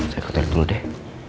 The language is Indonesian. saya ke hotel dulu deh